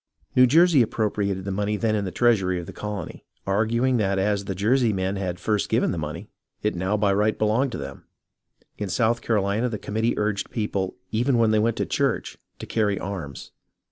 New Jersey appropriated the money then in the treasury of the colony, arguing that as the Jersey men had first given the money it now by right belonged to them. In South CaroHna the committee urged people, even when they went to church, to carry arms.